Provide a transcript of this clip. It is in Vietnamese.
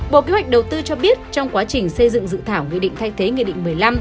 bộ kế hoạch đầu tư cho biết trong quá trình xây dựng dự thảo nghị định thay thế nghị định một mươi năm